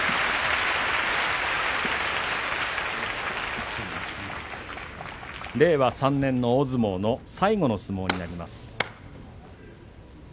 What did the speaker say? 拍手令和３年の大相撲の最後の相撲になります。